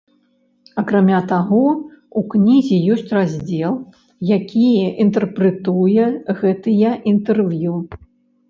Акрамя таго, у кнізе ёсць раздзел, які інтэрпрэтуе гэтыя інтэрв'ю.